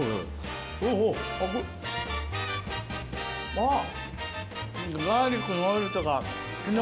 あっ。